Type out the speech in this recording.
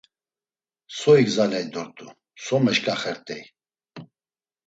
So igzaley dort̆u, so meşǩaxert̆ey?